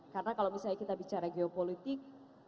karena kalau misalnya kita bicara geopolitik